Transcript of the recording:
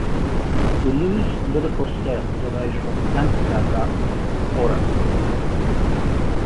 Rouleau's lyrical style derives from gangsta rap and horrorcore.